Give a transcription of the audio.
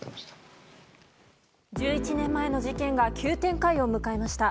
１１年前の事件が急展開を迎えました。